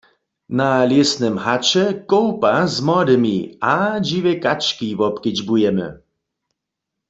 Na lěsnym haće kołpa z młodymi a dźiwje kački wobkedźbujemy.